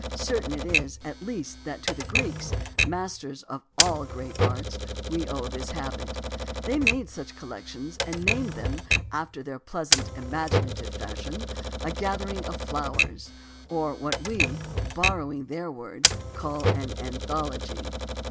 Certain it is, at least, that to the Greeks, masters in all great arts, we owe this habit. They made such collections and named them, after their pleasant imaginative fashion, a gathering of flowers, or what we, borrowing their word, call an anthology.